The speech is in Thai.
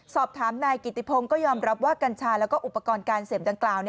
สอบถามนายกิติพงศ์ก็ยอมรับว่ากัญชาแล้วก็อุปกรณ์การเสพดังกล่าว